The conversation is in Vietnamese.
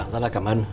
vâng rất là cảm ơn